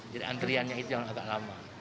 jadi antriannya itu yang agak lama